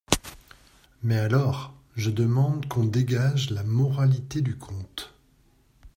Mais alors je demande qu'on dégage la moralité du conte.